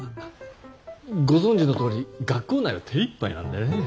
ご存じのとおり学校内は手いっぱいなんでね。